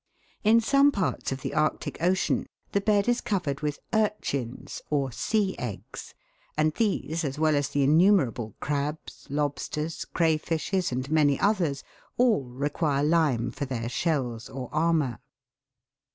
In some parts of the Arctic Ocean the bed is covered with " urchins " or sea eggs, and these, as well as the in numerable crabs, lobsters, cray fishes, and many others, all require lime for their shells or armour.